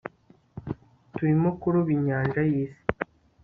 turimo kuroba inyanja yisi